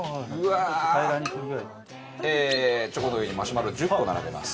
チョコの上にマシュマロ１０個並べます。